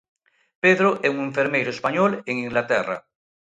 Pedro é un enfermeiro español en Inglaterra.